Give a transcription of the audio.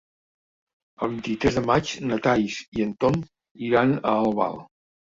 El vint-i-tres de maig na Thaís i en Tom iran a Albal.